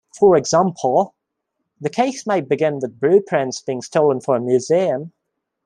For example, the case might begin with blueprints being stolen for a museum.